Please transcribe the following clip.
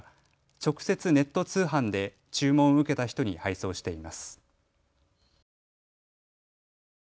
直接、ネット通販で注文を受けた人に配送しています。